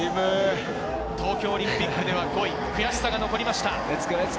東京オリンピックでは５位、悔しさが残りました。